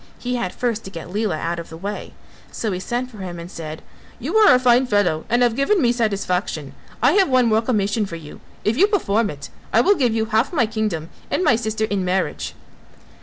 He had first to get Lela out of the way, so he sent for him and said, "You are a fine fellow and have given me satisfaction. I have one more commission for you, if you perform it I will give you half my kingdom and my sister in marriage."